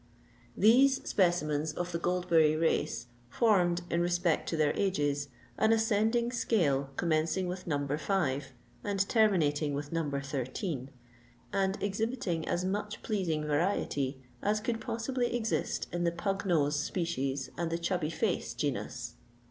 These specimens of the Goldberry race formed, in respect to their ages, an ascending scale commencing with Number 5 and terminating with Number 13, and exhibiting as much pleasing variety as could possibly exist in the pug nose species and the chubby face genus.